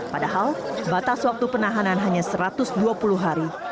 padahal batas waktu penahanan hanya satu ratus dua puluh hari